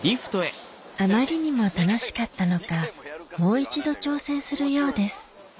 あまりにも楽しかったのかもう一度挑戦するようです